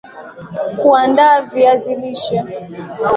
kuandaa viazi lishe